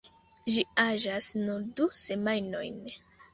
Ĝi aĝas nur du semajnojn.